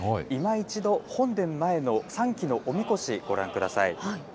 今一度、本殿前の３基のおみこし、ご覧ください。